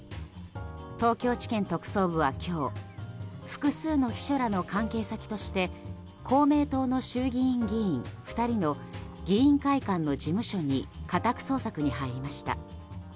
東京地検特捜部は、今日複数の秘書らの関係先として公明党の衆議院議員２人の議員会館の事務所に家宅捜索に入りました。